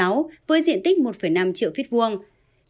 với diện tích một năm triệu phít quốc